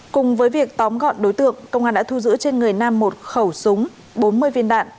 cùng với việc tóm gọn đối tượng công an đã thu giữ trên người nam một khẩu súng bốn mươi viên đạn